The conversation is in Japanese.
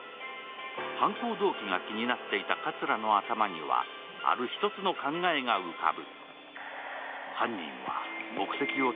犯行動機が気になっていた葛の頭にはある１つの考えが浮かぶ。